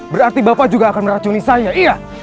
berarti bapak juga akan meracuni saya iya